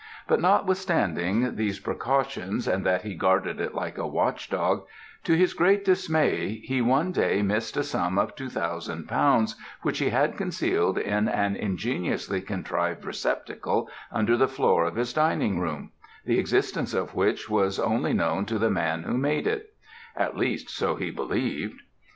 But notwithstanding those precautions and that he guarded it like a watch dog, to his great dismay he one day missed a sum of two thousand pounds which he had concealed in an ingeniously contrived receptacle under the floor of his dining room, the existence of which was only known to the man who made it; at least, so he believed.